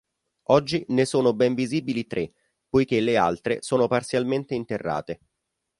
Oggi ne sono ben visibili tre, poiché le altre sono parzialmente interrate.